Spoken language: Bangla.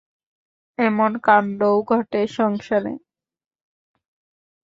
এমন কান্ডও ঘটে সংসারে?